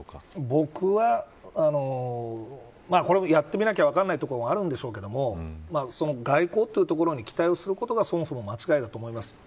僕は、これもやってみなきゃ分からないところもあるんでしょうけど外交というところに期待をすることがそもそも間違いだと思います。